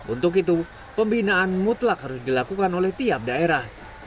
untuk itu pembinaan mutlak harus dilakukan oleh tiap daerah